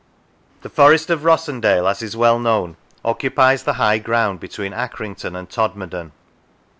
The Forest of Rossendale, as is well known, occupies the high ground between Accrington and Todmorden.